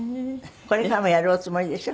これからもやるおつもりでしょ？